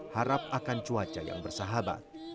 harap akan cuaca yang bersahabat